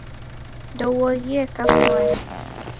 Ndeuoghie kafwani